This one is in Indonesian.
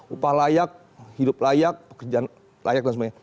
upah layak hidup layak pekerjaan layak dan semuanya